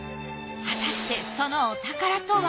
果たしてそのお宝とは？